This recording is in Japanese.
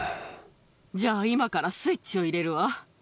じゃあ、今からスイッチを入れるわ。